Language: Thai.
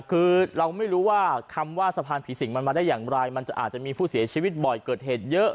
คือเราไม่รู้ว่าคำว่าสะพานผีสิงมันมาได้อย่างไรมันจะอาจจะมีผู้เสียชีวิตบ่อยเกิดเหตุเยอะ